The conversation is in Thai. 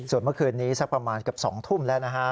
ส่วนเมื่อคืนนี้สักประมาณเกือบ๒ทุ่มแล้วนะฮะ